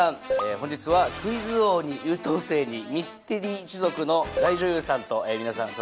本日はクイズ王に優等生にミステリー一族の大女優さんと皆さん揃っていただきました。